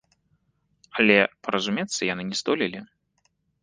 Але паразумецца яны не здолелі.